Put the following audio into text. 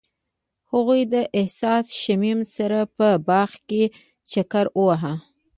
هغوی د حساس شمیم سره په باغ کې چکر وواهه.